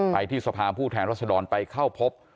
ไปที่สภาผู้แทนรัศดรไปเข้าพบ